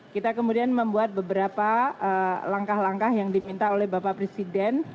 kita kemudian membuat beberapa langkah langkah yang diminta oleh bapak presiden